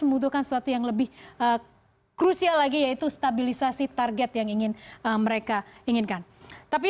membutuhkan sesuatu yang lebih krusial lagi yaitu stabilisasi target yang ingin mereka inginkan tapi